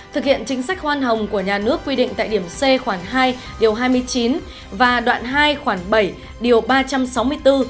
thực hiện chính sách khoan hồng của nhà nước quy định tại điểm c khoảng hai điều hai mươi chín và đoạn hai khoảng bảy điều ba trăm sáu mươi bốn